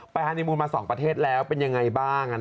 ฮานีมูลมา๒ประเทศแล้วเป็นยังไงบ้าง